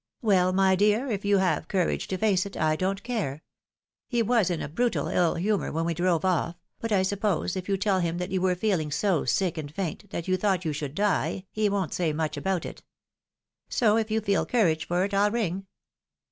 " Well, my dear, if you have courage to face it, I don't care. He was in a brutal ill humour when we drove off ; but, I suppose, if you tell him that you were feehng so sick and faint that you thought you shoiild die, he won't say much about it. So, if you feel courage for it, I'll ring."